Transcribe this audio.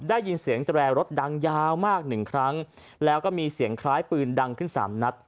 ได้ยินเสียงแตรรถดังยาวมากหนึ่งครั้งแล้วก็มีเสียงคล้ายปืนดังขึ้นสามนัด